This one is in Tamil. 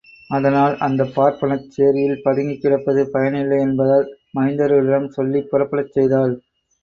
அதனால் அந்தப்பார்ப்பனச் சேரியில் பதுங்கிக் கிடப்பது பயன் இல்லை என்பதால் மைந்தர்களிடம் சொல்லிப் புறப்படச் செய்தாள்.